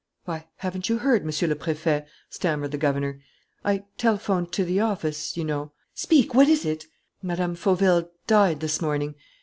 "Why, haven't you heard, Monsieur le Préfet?" stammered the governor. "I telephoned to the office, you know " "Speak! What is it?" "Mme. Fauville died this morning.